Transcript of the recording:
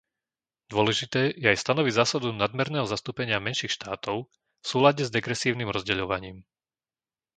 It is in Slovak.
Dôležité je aj stanoviť zásadu nadmerného zastúpenia menších štátov v súlade s degresívnym rozdeľovaním.